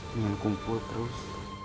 pengen kumpul terus